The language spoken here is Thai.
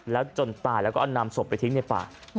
แล้วจนตายแล้วก็นำศพไปทิ้งในป่า